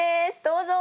どうぞ。